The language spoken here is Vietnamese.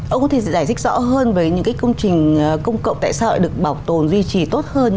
ông có thể giải thích rõ hơn về những cái công trình công cộng tại xã hội được bảo tồn duy trì tốt hơn